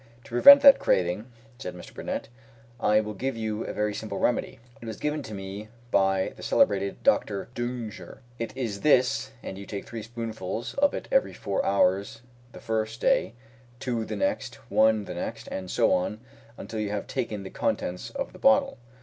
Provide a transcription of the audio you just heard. "To prevent that craving," said Mr. Burnett, "I will give you a very simple remedy; it was given to me by the celebrated Dr. D'Unger. It is this, and you take three teaspoonfuls of it every four hours the first day, two the next, one the next, and so on until you have taken the contents of the bottle.